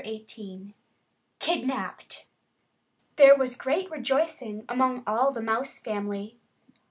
XVIII KIDNAPPED THERE was great rejoicing among all the Mouse family.